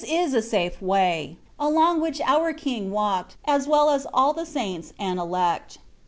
is a safe way, along which our King walked, aa well as all the saints and elect.